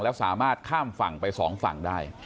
แล้วสามารถข้ามฝั่งไปสองฝั่งได้